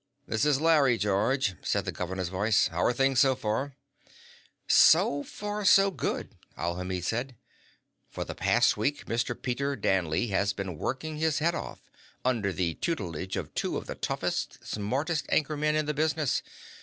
"This is Larry, George," said the governor's voice. "How are things so far?" "So far, so good," Alhamid said. "For the past week, Mr. Peter Danley has been working his head off, under the tutelage of two of the toughest, smartest anchor men in the business.